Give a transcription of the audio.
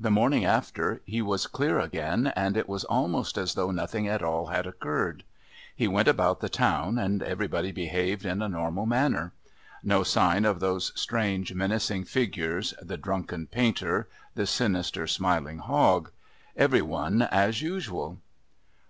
The morning after, he was clear again, and it was almost as though nothing at all had occurred. He went about the town, and everybody behaved in a normal manner. No sign of those strange menacing figures, the drunken painter, the sinister, smiling Hogg; every one as usual.